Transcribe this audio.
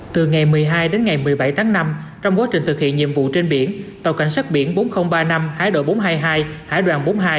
từ ngày một mươi hai đến ngày một mươi bảy tháng năm trong quá trình thực hiện nhiệm vụ trên biển tàu cảnh sát biển bốn nghìn ba mươi năm hải đội bốn trăm hai mươi hai hải đoàn bốn mươi hai